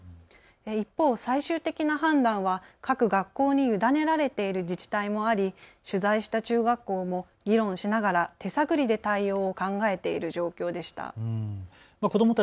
一方、最終的な判断は各学校に委ねられている自治体もあり、取材した中学校も議論しながら手探りで対応を考えている状況でした。